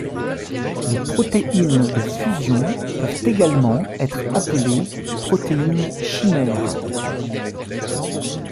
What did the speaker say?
Les protéines de fusion peuvent également être appelées protéines chimères.